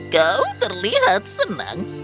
kau terlihat senang